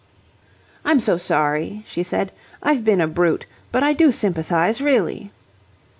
"I'm so sorry," she said. "I've been a brute, but I do sympathize, really."